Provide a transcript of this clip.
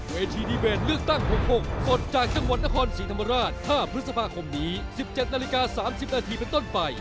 เวทีดีเบตเลือกตั้ง๖๖ปลดจากจังหวัดนครศรีธรรมราช๕พฤษภาคมนี้๑๗นาฬิกา๓๐นาทีเป็นต้นไป